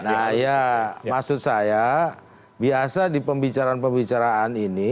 nah ya maksud saya biasa di pembicaraan pembicaraan ini